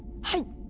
はい！